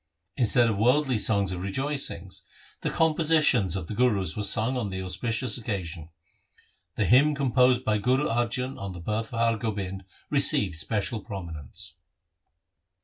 Instead of worldly songs of rejoicings the compositions of the Gurus were sung on the auspicious occasion. The hymn composed by Guru Arjan on the birth of Har Gobind received special prominence.